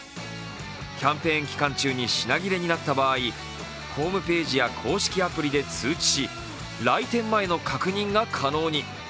キャンペーン期間中に品切れになった場合、ホームページや公式アプリで通知し来店前の確認が可能に。